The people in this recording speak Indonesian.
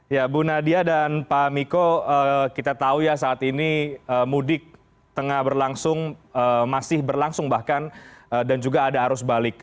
ya bu nadia dan pak miko kita tahu ya saat ini mudik tengah berlangsung masih berlangsung bahkan dan juga ada arus balik